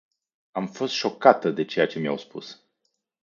Am fost șocată de ceea ce mi-au spus.